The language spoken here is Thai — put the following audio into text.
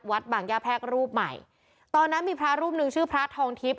บางย่าแพรกรูปใหม่ตอนนั้นมีพระรูปหนึ่งชื่อพระทองทิพย